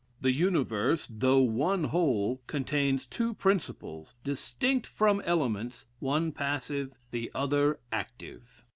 The universe, though one whole, contains two principles, distinct from elements, one passive, the other active.